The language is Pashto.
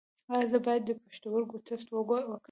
ایا زه باید د پښتورګو ټسټ وکړم؟